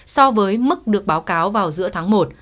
so với mức được báo cáo vào giữa tháng một